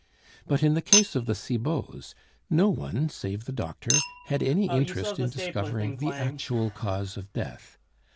But in the case of the Cibots, no one save the doctor had any interest in discovering the actual cause of death.